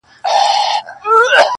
هغه مړ له مــسته واره دى لوېـدلى~